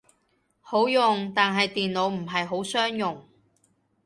好用，但係電腦唔係好相容